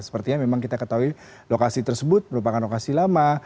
sepertinya memang kita ketahui lokasi tersebut merupakan lokasi lama